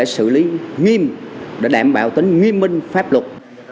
xử lý nghiêm để đảm bảo tính nghiêm minh pháp luật